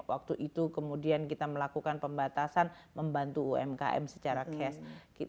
waktu itu kemudian kita melakukan pembatasan membantu umkm secara cash